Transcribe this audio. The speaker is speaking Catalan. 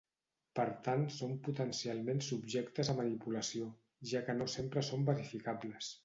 Per tant són potencialment subjectes a manipulació, ja que no sempre són verificables.